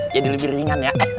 jadi lebih ringan ya